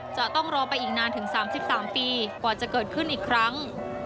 จะต้องรอไปอีกนานถึง๓๓ปีกว่าจะเกิดขึ้นอีกครั้ง